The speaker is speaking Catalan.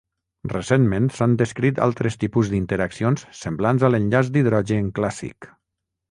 Recentment s'han descrit altres tipus d'interaccions semblants a l'enllaç d'hidrogen clàssic.